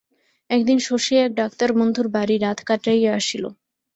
একদিন শশী এক ডাক্তার বন্ধুর বাড়ি রাত কাটাইয়া আসিল।